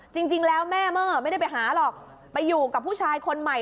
จริงแล้วแม่เมอร์ไม่ได้ไปหาหรอกไปอยู่กับผู้ชายคนใหม่